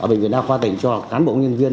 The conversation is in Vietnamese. ở bệnh viện đào khoa tỉnh cho cán bộ nhân viên